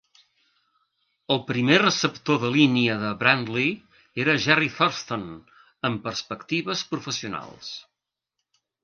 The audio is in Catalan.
El primer receptor de línia de Brantley era Jerry Thurston, amb perspectives professionals.